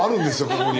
ここに。